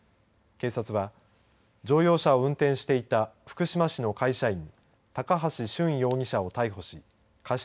警察は乗用車を運転していた福島市の会社員高橋俊容疑者を逮捕し過失